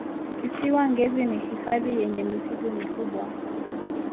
kisiwa ngezi ni hifadhi yenye misitu mikubwa